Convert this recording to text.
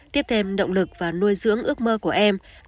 tiếp thêm động lực và nuôi dưỡng ước mơ của em